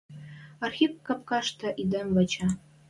Архип капкашты тидӹм выча.